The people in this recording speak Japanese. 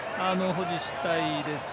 保持したいですし。